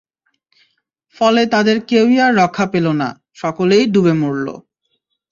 ফলে তাদের কেউই আর রক্ষা পেল না, সকলেই ডুবে মরল।